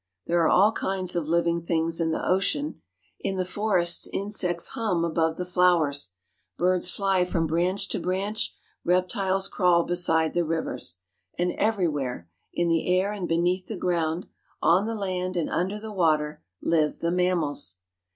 There are all kinds of living things in the ocean. In the forests insects hum above the flowers; birds fly from branch to branch; reptiles crawl beside the rivers. And everywhere—in the air and beneath the ground, on the land and under the water—live the mammals.